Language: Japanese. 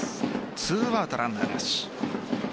２アウトランナーなし。